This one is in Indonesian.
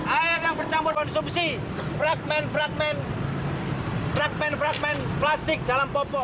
air yang bercampur konsumsi fragment fragment plastik dalam popok